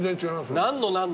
何の何の。